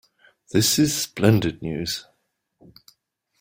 This is splendid news.